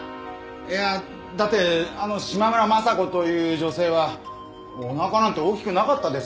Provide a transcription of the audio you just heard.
いやだってあの島村昌子という女性はお腹なんて大きくなかったですよ？